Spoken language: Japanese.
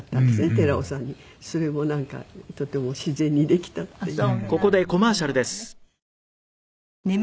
それもなんかとても自然にできたっていうか。